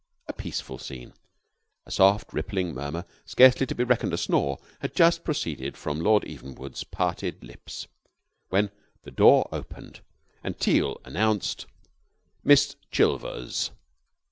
A peaceful scene. A soft, rippling murmur, scarcely to be reckoned a snore, had just proceeded from Lord Evenwood's parted lips, when the door opened, and Teal announced, "Miss Chilvers."